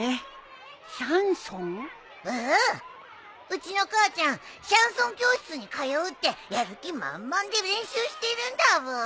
うちの母ちゃんシャンソン教室に通うってやる気満々で練習しているんだブー。